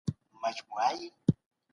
ماشوم له فشار پرته زده کړه کوي.